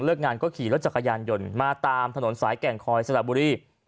งานก็ขี่รถจักรยานยนต์มาตามถนนสายแก่งคอยสระบุรี